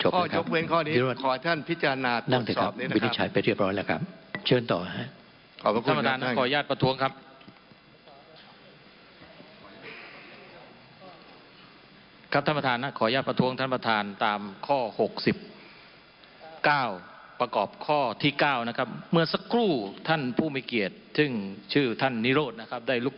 ข้อจบเว้นข้อนี้ขอท่านพิจารณาสอบนี้นะครับ